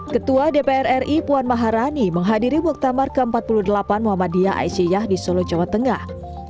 ketua dpr ri puan maharani menghadiri muktamar ke empat puluh delapan muhammadiyah aisyah di solo jawa tengah